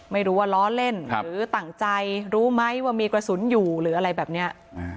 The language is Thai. ไม่รู้ว่าล้อเล่นหรือตั้งใจรู้ไหมว่ามีกระสุนอยู่หรืออะไรแบบนี้